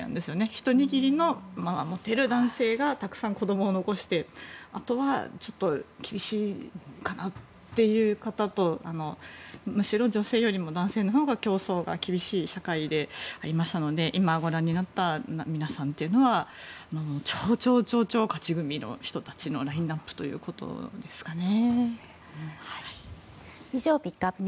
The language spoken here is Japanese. ひと握りのモテる男性がたくさん子どもを残してあとは厳しいかなっていう方とむしろ女性よりも男性のほうが競争が厳しい社会でありましたので今、ご覧になった皆さんというのは超超超勝ち組の人たちのラインアップということですね。